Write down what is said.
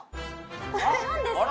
これなんですか？